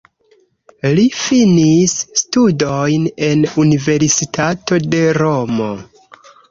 Li finis studojn en universitato de Romo.